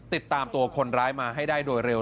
ติดตามตัวคนร้ายมาให้ได้โดยเร็ว